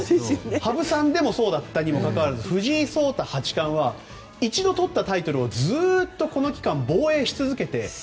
羽生さんでもそうだったにもかかわらず藤井聡太八冠は一度とったタイトルをずっとこの期間、防衛し続けて。